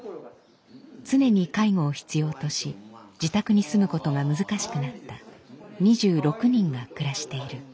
常に介護を必要とし自宅に住むことが難しくなった２６人が暮らしている。